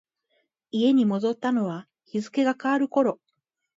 家に戻ったのは日付が変わる頃。